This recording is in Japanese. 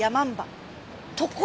ところが。